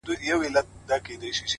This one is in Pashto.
• چي ته ډنګر یې که خېټور یې,